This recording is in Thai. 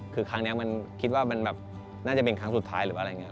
คือครั้งนี้มันคิดว่ามันแบบน่าจะเป็นครั้งสุดท้ายหรือว่าอะไรอย่างนี้